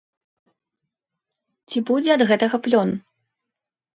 Ці будзе ад гэтага плён?